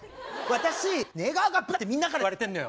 私寝顔がブスだってみんなから言われてんのよ。